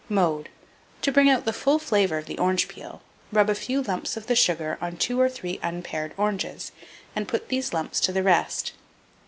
Mode. To bring out the full flavour of the orange peel, rub a few lumps of the sugar on 2 or 3 unpared oranges, and put these lumps to the rest.